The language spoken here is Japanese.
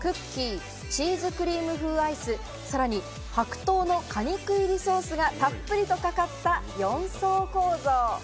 下からバニラアイス、クッキー、チーズクリーム風アイス、さらに白桃の果肉入りソースがたっぷりとかかった４層構造。